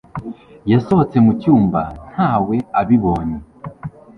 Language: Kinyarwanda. Yasohotse mu cyumba ntawe abibonye